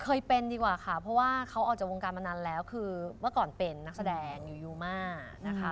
เคยเป็นดีกว่าค่ะเพราะว่าเขาออกจากวงการมานานแล้วคือเมื่อก่อนเป็นนักแสดงอยู่ยูมานะคะ